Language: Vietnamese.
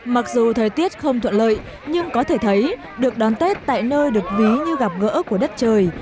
mặc dù thời tiết không thuận lợi nhưng có thể thấy được đón tết tại nơi được ví như gặp gỡ của đất trời